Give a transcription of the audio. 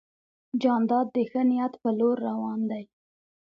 جانداد د ښه نیت په لور روان دی.